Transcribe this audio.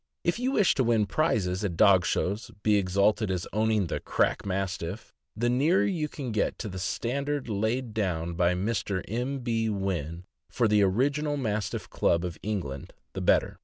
If you wish to win prizes at dog shows, be exalted as owning "that crack Mastiff,'' the nearer you can get to the stand ard laid down by Mr. M. B. Wynn for the original Mastiff Club of England the better.